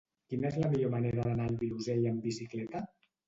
Quina és la millor manera d'anar al Vilosell amb bicicleta?